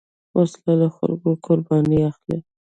وسله له خلکو قرباني اخلي